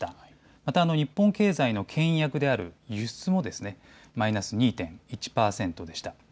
また日本経済のけん引役である輸出もマイナス２．１％でした。